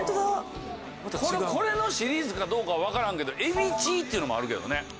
これのシリーズかどうか分からんけどエビチーっていうのもあるけどね。